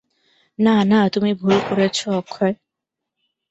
না না, তুমি ভুল করছ অক্ষয়!